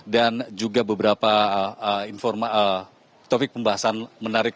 dan juga beberapa topik pembahasan menarik